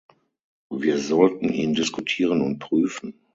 Wir sollten ihn diskutieren und prüfen.